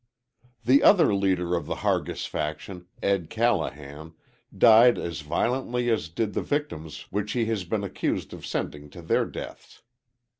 The other leader of the Hargis faction, Ed. Callahan, died as violently as did the victims which he has been accused of sending to their deaths.